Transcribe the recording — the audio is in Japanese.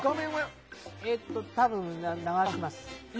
多分、流せます。